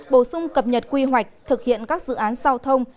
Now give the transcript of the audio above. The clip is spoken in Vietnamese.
bổ sung cập nhật quy hoạch thực hiện các dự án giao thông